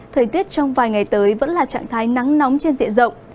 thời tiết trong vài ngày tới vẫn là trạng thái nắng nóng trên diện rộng